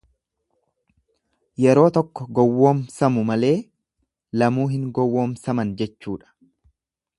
Yeroo tokko gowwomsamu malee lamuu hin gowwomsaman jechuudha.